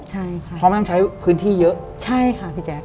ใช่ค่ะเพราะมันต้องใช้พื้นที่เยอะใช่ค่ะพี่แจ๊ค